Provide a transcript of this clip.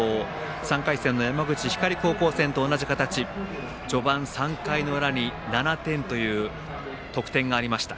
３回戦の山口・光高校戦と同じ形序盤３回に７点という得点がありました。